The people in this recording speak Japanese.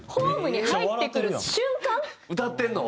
歌ってるの？